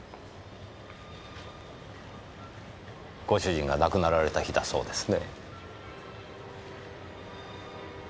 ご主人が亡くなられた日だそうですね。